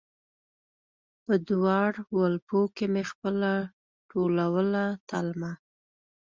په دواړ ولپو کې مې خپله ټولوله تلمه